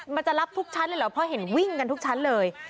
มันจะรับทุกชั้นเลยเหรอเพราะเห็นวิ่งกันทุกชั้นเลย